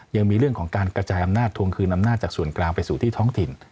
ยังมีเรื่องของการกระจายอำนาจทวงคืนอำนาจจากส่วนกลางไปสู่ที่ท้องถิ่น